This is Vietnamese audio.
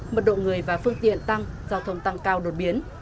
mật độ người và phương tiện tăng giao thông tăng cao đột biến